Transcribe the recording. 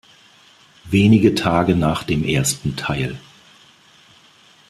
Wenige Tage nach dem ersten Teil.